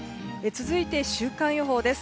続いて週間予報です。